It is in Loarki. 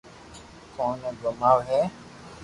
ڪوم ني گوماوو ھي